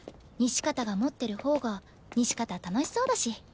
西片が持ってる方が西片楽しそうだし。